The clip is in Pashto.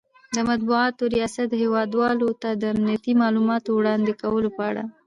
،د مطبوعاتو ریاست هیواد والو ته د امنیتي مالوماتو وړاندې کولو په اړه